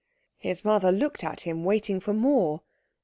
His mother looked at him, waiting for more.